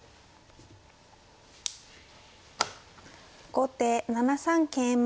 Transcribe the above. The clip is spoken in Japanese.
後手７三桂馬。